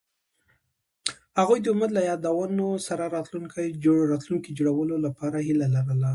هغوی د امید له یادونو سره راتلونکی جوړولو هیله لرله.